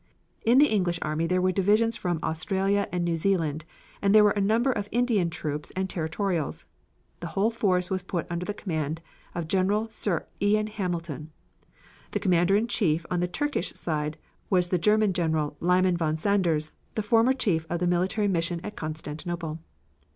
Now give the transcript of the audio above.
In the English army there were divisions from Australia and New Zealand and there were a number of Indian troops and Territorials. The whole force was put under the command of General Sir Ian Hamilton. The commander in chief on the Turkish side was the German General Liman von Sanders, the former chief of the military mission at Constantinople.